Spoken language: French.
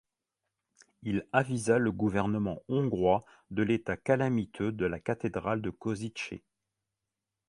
Il avisa le gouvernement hongrois de l'état calamiteux de la cathédrale de Košice.